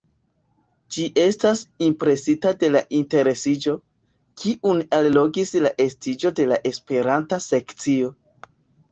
Ŝi estas impresita de la interesiĝo, kiun allogis la estiĝo de la Esperanta sekcio.